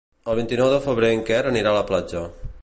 El vint-i-nou de febrer en Quer anirà a la platja.